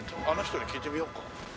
あの人に聞いてみよっか。